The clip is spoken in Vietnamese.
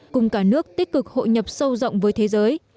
cùng cả nước tích cực hội nhập sâu rộng với thế giới